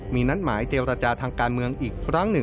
มีนัดหมายเจราตรรจาทางการเมืองอีก